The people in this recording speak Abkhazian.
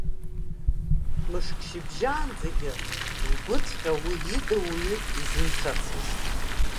Мышкы шьыбжьаанӡагьы лгәыҵәҟьа уи ида уаҩ изымцацызт.